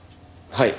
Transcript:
はい。